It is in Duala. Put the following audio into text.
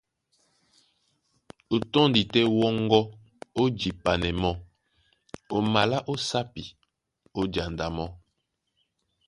O tɔ́ndi tɛ́ wɔ́ŋgɔ́ ó jipanɛ mɔ́, o malá ó sápi, ó janda mɔ́.